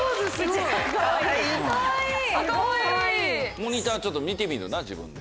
モニターちょっと見てみるな自分で。